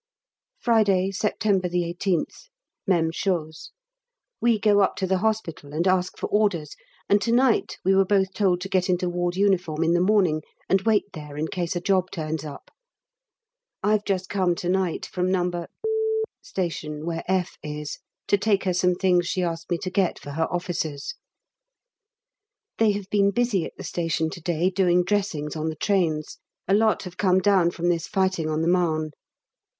Friday, September 18th. Même chose. We go up to the Hospital and ask for orders, and to night we were both told to get into ward uniform in the morning, and wait there in case a job turns up. I've just come to night from No. Station where F is, to take her some things she asked me to get for her officers. They have been busy at the station to day doing dressings on the trains. A lot have come down from this fighting on the Marne.